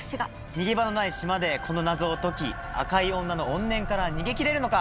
逃げ場のない島でこの謎を解き赤い女の怨念から逃げ切れるのか？